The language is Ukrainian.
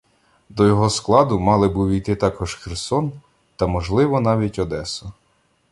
До його складу мали б увійти також Херсон та, можливо, навіть Одеса.